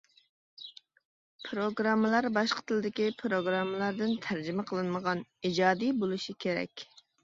پىروگراممىلار باشقا تىلدىكى پىروگراممىلاردىن تەرجىمە قىلىنمىغان، ئىجادىي بولۇشى كېرەك.